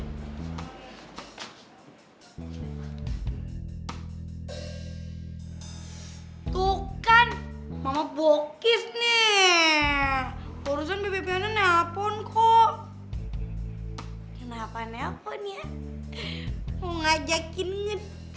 hai khotokan mama bogan nih horosan bapak nvp on kaos hai kenapaario punya ngajakin ngedit